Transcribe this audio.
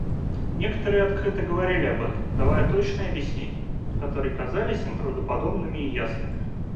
Некоторые открыто говорили об этом, давая точные объяснения, которые казались им правдоподобными и ясными.